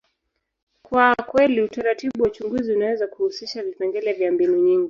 kwa kweli, utaratibu wa uchunguzi unaweza kuhusisha vipengele vya mbinu nyingi.